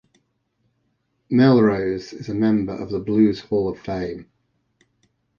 Melrose is a member of the Blues Hall of Fame.